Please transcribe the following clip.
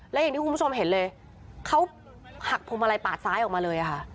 และอย่างที่คุณผู้ชมเห็นเลยเขาหักพวงมาลัยปาดซ้ายออกมาเลยค่ะ